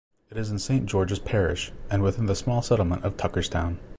It is in Saint George's Parish, and within the small settlement of Tucker's Town.